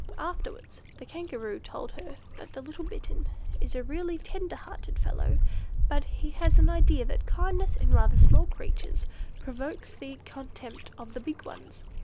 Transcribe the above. Afterwards the Kangaroo told her that the little Bittern is a really tender hearted fellow, but he has an idea that kindness in rather small creatures provokes the contempt of the big ones.